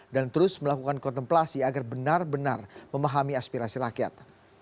dan terus melakukan kontemplasi agar benar benar memahami aspirasi rakyat